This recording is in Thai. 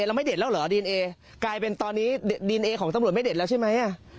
เราไม่เด็ดแล้วเหรอดีเอนเอกลายเป็นตอนนี้ดีเอนเอของตำรวจไม่เด็ดแล้วใช่ไหมอ่ะ